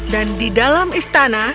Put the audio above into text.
dan di dalam istana